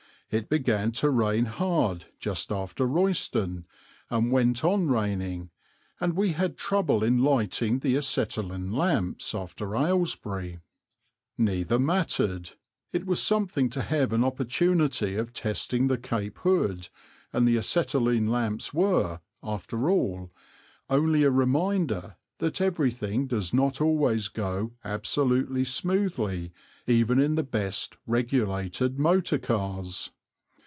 It began to rain hard just after Royston, and went on raining, and we had trouble in lighting the acetylene lamps after Aylesbury. Neither mattered. It was something to have an opportunity of testing the cape hood, and the acetylene lamps were, after all, only a reminder that everything does not always go absolutely smoothly even in the best regulated motor cars.